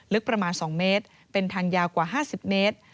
ลึกประมาณ๒เมตรเป็นทางยาวกว่า๕๐เมตร